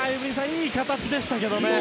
いい形でしたね。